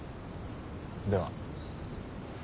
では。